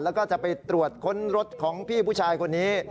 แล้วก็จะไปตรวจค้นรถของพี่ผู้ชายคนนี้